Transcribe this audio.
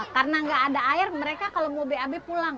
karena nggak ada air mereka kalau mau bab pulang